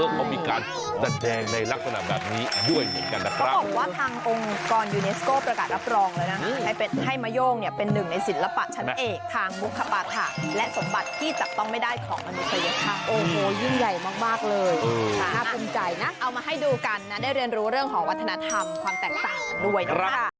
ของมนุษยธรรมโอโหยิ่งใหญ่มากเลยขอบคุณใจนะเอามาให้ดูกันนะได้เรียนรู้เรื่องของวัฒนธรรมความแตกต่างด้วยนะครับ